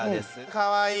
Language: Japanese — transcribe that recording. かわいい。